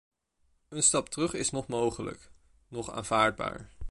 Een stap terug is noch mogelijk, noch aanvaardbaar.